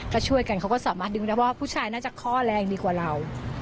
ก็ช่วยกันเขาก็สามารถดึงได้ว่าผู้ชายน่าจะข้อแรงดีกว่าเรา